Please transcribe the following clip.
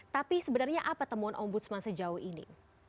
tapi sebenarnya apa temuan ombudsman sejauh ini